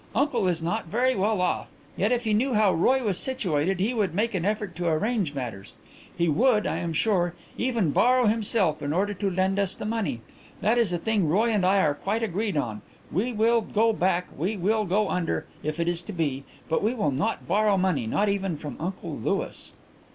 Uncle is not very well off, yet if he knew how Roy was situated he would make an effort to arrange matters. He would, I am sure, even borrow himself in order to lend us the money. That is a thing Roy and I are quite agreed on. We will go back; we will go under, if it is to be; but we will not borrow money, not even from Uncle Louis."